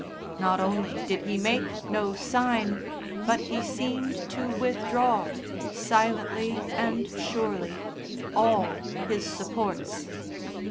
Not only did he make no sign, but he seemed to withdraw, silently and surely, all his supports.